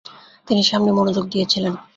তিনি সমান মনোযোগ দিয়েছিলেন।